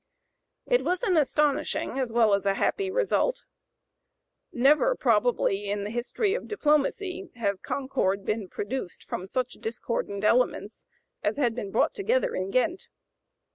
It was an astonishing as well as a happy result. Never, probably, in the history of diplomacy has concord been produced from such discordant elements as had been brought together in Ghent.